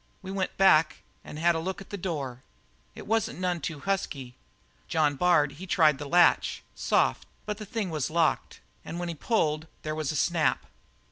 We went back and had a look at the door. "It wasn't none too husky. John Bard, he tried the latch, soft, but the thing was locked, and when he pulled there was a snap.